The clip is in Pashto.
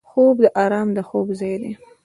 خوب د آرام د خوب ځای دی